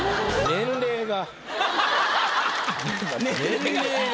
年齢が。